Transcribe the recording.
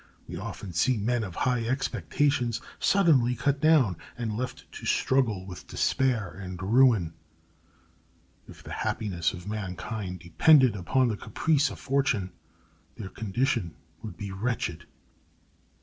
We often see men of high expectations suddenly cut down, and left to struggle with despair and ruin. If the happiness of mankind depended upon the caprice of fortune, their condition would be wretched.